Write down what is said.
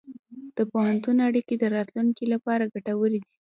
د پوهنتون اړیکې د راتلونکي لپاره ګټورې دي.